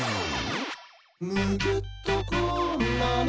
「むぎゅっとこんなの」